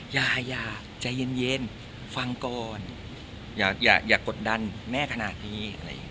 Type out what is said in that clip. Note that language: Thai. อย่าใจเย็นฟังก่อนอย่ากดดันแม่ขนาดนี้